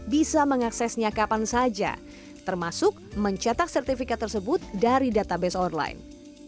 bisa mengaksesnya kapan saja termasuk mencetak sertifikat tersebut dari database online